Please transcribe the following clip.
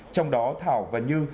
trong đó thảo và như